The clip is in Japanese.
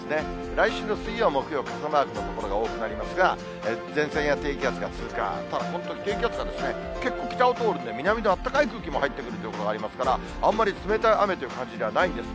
来週の水曜、木曜、傘マークの所が多くなりますが、前線や低気圧が通過、本当、低気圧が結構、北を通るんで、南のあったかい空気が入ってくるということもありますから、あんまり冷たい雨という感じではないんです。